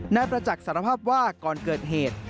นายประจักษ์สารภาพว่าก่อนเกิดเหตุ